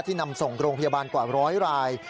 นำส่งโรงพยาบาลกว่าร้อยราย